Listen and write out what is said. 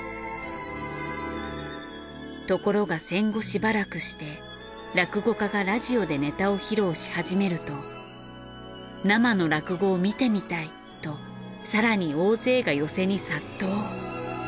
ところが戦後しばらくして落語家がラジオでネタを披露し始めると生の落語を見てみたいと更に大勢が寄席に殺到。